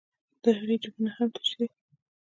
د هغې جېبونه هم تش دي